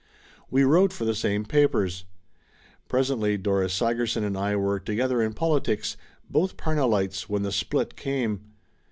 We wrote for the same papers. Presently Dora Sigerson and I were together in politics, both Pamellites when the "split" came.